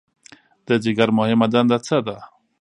د ځیګر مهمه دنده څه ده؟